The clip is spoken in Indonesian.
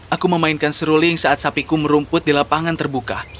aku memainkan seruling saat sapiku merumput di lapangan terbuka